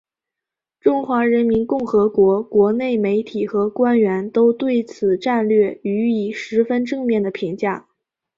中华人民共和国国内媒体和官员都对此战略予以十分正面的评价。